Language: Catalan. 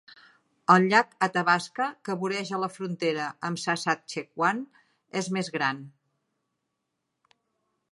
El llac Athabasca, que voreja la frontera amb Saskatchewan, és més gran.